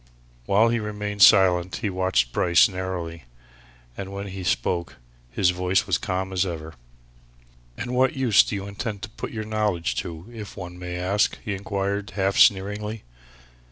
While he remained silent he watched Bryce narrowly, and when he spoke, his voice was calm as ever. "And what use do you intend to put your knowledge to, if one may ask?" he inquired, half sneeringly.